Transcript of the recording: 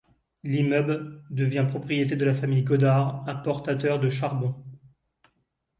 L'immeuble devient propriété de la famille Godard, importateurs de charbon.